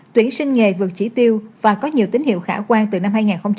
tuyển sinh nghề vượt trí tiêu và có nhiều tín hiệu khả quan từ năm hai nghìn một mươi bảy